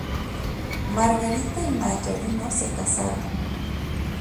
Margarita y Mallarino se casaron.